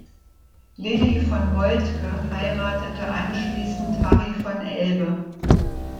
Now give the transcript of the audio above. Lily von Moltke heiratete anschließend Harry von Elbe.